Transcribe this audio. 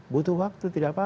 butuh waktu tidak apa apa